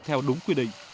theo đúng quy định